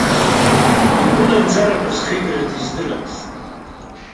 Игәынамӡарақәа зхигара диздырамызт.